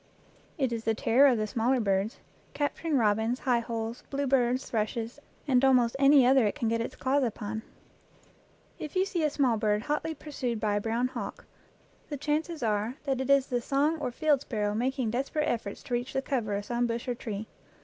It is the terror of the smaller birds, capturing robins, high holes, bluebirds, thrushes, and almost any other it can get its claws upon. If you see a small bird hotly pursued by a brown hawk, the chances are that it is the song or field sparrow making desperate efforts to reach the cover of some bush or tree.